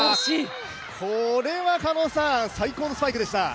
これは最高のスパイクでした。